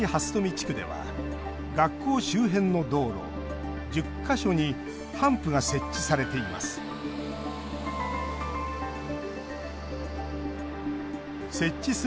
地区では学校周辺の道路、１０か所にハンプが設置されています。